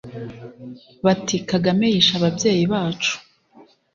bati: «Kagame yishe ababyeyi bacu